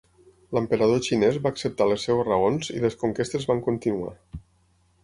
L'emperador xinès va acceptar les seves raons i les conquestes van continuar.